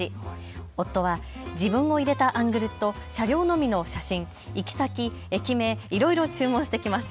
夫は自分を入れたアングルと車両のみの写真、行き先、駅名、いろいろ注文してきます。